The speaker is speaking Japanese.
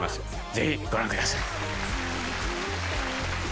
ぜひご覧ください。